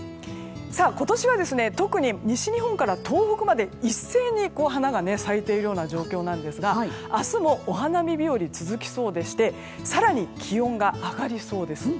今年は特に西日本から東北まで一斉に花が咲いているような状況なんですが明日もお花見日和が続きそうでして更に気温が上がりそうです。